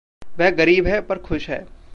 वह गरीब है, पर खुश है।